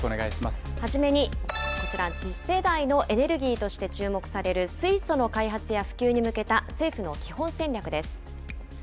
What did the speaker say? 初めに、こちら、次世代のエネルギーとして注目される水素の開発や普及に向けた政府の基本戦略です。